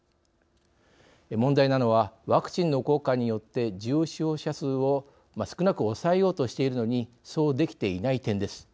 問題なのはワクチンの効果によって重症者数を少なく抑えようとしているのにそうできていない点です。